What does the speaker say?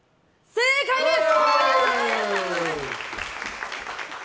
正解です！